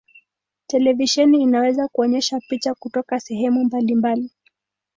Televisheni inaweza kuonyesha picha kutoka sehemu mbalimbali.